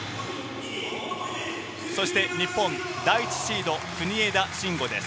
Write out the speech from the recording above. そして、日本第１シード国枝慎吾です。